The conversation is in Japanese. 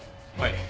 はい。